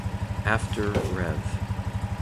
After Rev.